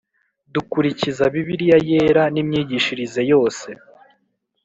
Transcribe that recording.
dukulikiza Bibiliya Yera n imyigishirize yose